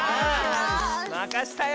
まかしたよ！